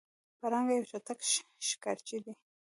پړانګ یو چټک ښکارچی دی.